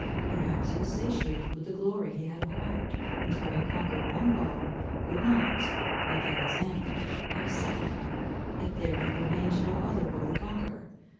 Perhaps he was satiated with the glory he had acquired, and having conquered one beau, would not, like Alexander, have sighed, if there had remained no other beau to conquer.